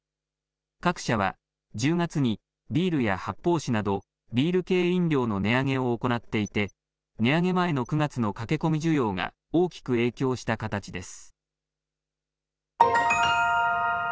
各社は、１０月にビールや発泡酒など、ビール系飲料の値上げを行っていて、値上げ前の９月の駆け込み需要が大きく影響した形です。